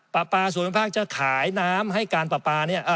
ประปาส่วนภูมิภาคจะขายน้ำให้การประปา